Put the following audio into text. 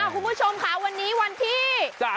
คุณผู้ชมค่ะวันนี้วันที่๓